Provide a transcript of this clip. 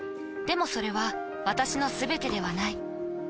でもそれは私のすべてではない。